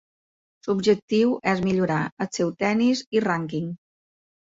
L'objectiu és millorar el seu tennis i rànquing.